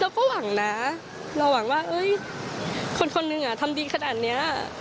เราก็หวังนะเราหวังว่าคนคนหนึ่งทำดีขนาดนี้